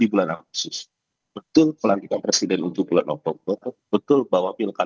di pulgada itu harus hilang sehingga kemudian sikap